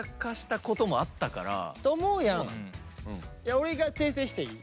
俺が訂正していい？